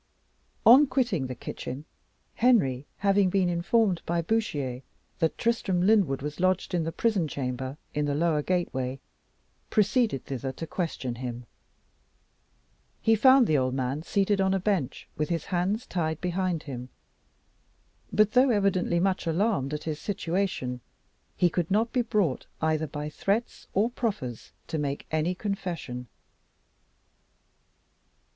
On quitting the kitchen, Henry, having been informed by Bouchier that Tristram Lyndwood was lodged in the prison chamber in the lower gateway, proceeded thither to question him. He found the old man seated on a bench, with his hands tied behind him; but though evidently much alarmed at his situation, he could not be brought either by threats or proffers to make any confession.